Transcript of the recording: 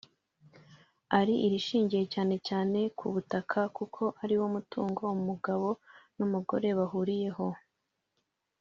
ari irishingiye cyane cyane ku butaka kuko ariwo mutungo umugabo n’umugore bahuriyeho